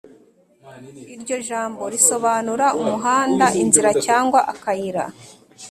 iryo jambo risobanura “umuhanda, inzira cyangwa akayira.